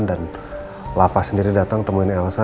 dan la paz sendiri datang temuin elsa